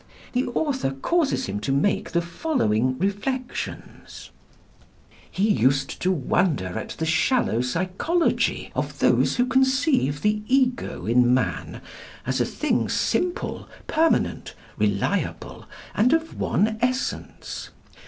The author causes him to make the following reflections: "He used to wonder at the shallow psychology of those who conceive the Ego in man as a thing simple, permanent, reliable, and of one essence.